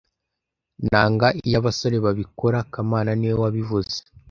Nanga iyo abasore babikora kamana niwe wabivuze